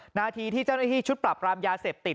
นาทีที่เจ้าหน้าที่ชุดปรับรามยาเสพติด